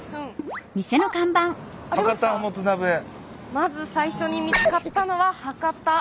まず最初に見つかったのは博多。